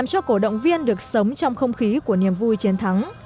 một cho cổ động viên được sống trong không khí của niềm vui chiến thắng